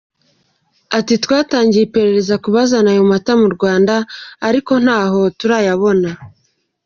Ati “Twatangiye iperereza ku bazana ayo mata mu Rwanda ariko ntaho turayabona.